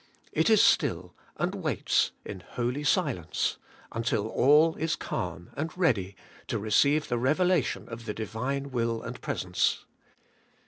It is still and waits in holy silence, until all is calm and ready to receive the revelation of the Divine will and presence.